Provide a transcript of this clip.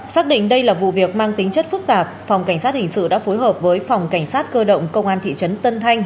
xác định đây là vụ việc mang tính chất phức tạp phòng cảnh sát hình sự đã phối hợp với phòng cảnh sát cơ động công an thị trấn tân thanh